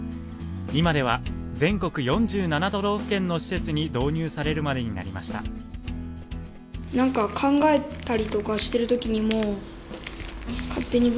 今では全国４７都道府県の施設に導入されるまでになりました